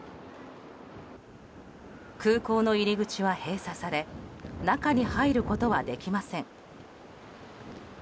空港の入り口は閉鎖され中に入ることはできません。